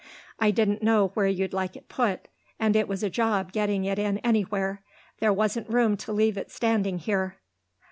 I didn't know where you'd like it put, and it was a job getting it in anywhere. There wasn't room to leave it standing here."